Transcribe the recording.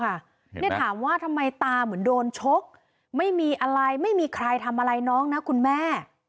เนี่ยถามว่าทำไมตาเหมือนโดนชกไม่มีอะไรไม่มีใครทำอะไรน้องนะคุณแม่